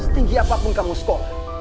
setinggi apapun kamu sekolah